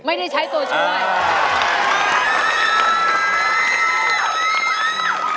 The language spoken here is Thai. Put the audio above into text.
ไม่ได้ใช้ตัวช่วย